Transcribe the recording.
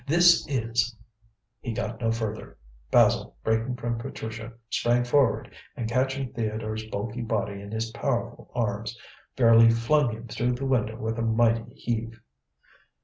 This is " He got no further. Basil, breaking from Patricia, sprang forward, and catching Theodore's bulky body in his powerful arms, fairly flung him through the window with a mighty heave.